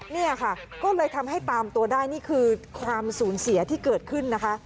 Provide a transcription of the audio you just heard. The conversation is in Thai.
เนี่ยค่ะก็เลยทำให้ตามตัวได้นี่คือความสูญเสียที่เกิดขึ้นนะคะ